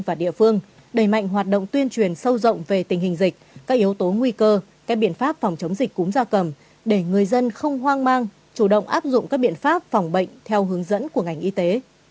và địa phương đẩy mạnh hoạt động tuyên truyền sâu rộng về tình hình dịch các yếu tố nguy cơ các biện pháp phòng chống dịch cúm da cầm để người dân không hoang mang chủ động áp dụng các biện pháp phòng bệnh theo hướng dẫn của ngành y tế